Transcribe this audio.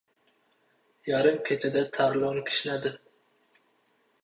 Yarim kechada Tarlon kishnadi.